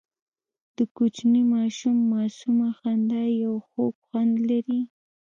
د کوچني ماشوم معصومه خندا یو خوږ خوند لري.